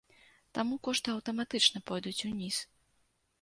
Таму кошты аўтаматычна пойдуць уніз.